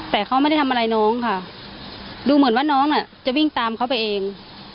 แต่เขาไม่ได้ทำอะไรน้องค่ะดูเหมือนว่าน้องน่ะจะวิ่งตามเขาไปเอง